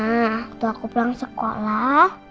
waktu aku pulang sekolah